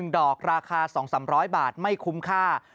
ดอกราคา๒๓๐๐บาทไม่คุ้มค่า